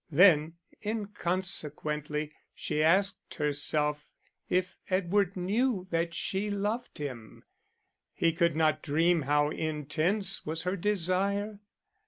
Then, inconsequently, she asked herself if Edward knew that she loved him; he could not dream how intense was her desire.